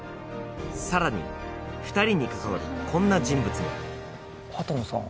さらに２人にかかわるこんな人物も畑野さん